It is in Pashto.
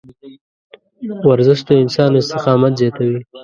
ورزش د انسان استقامت زیاتوي.